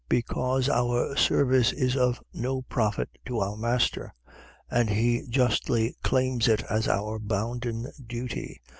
. .Because our service is of no profit to our master; and he justly claims it as our bounden duty.